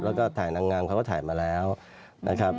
แล้วก็ถ่ายนางงามเขาก็ถ่ายมาแล้วนะครับ